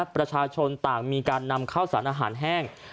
ประชาชนต่างมีการนำข้าวสารอาหารแห้ง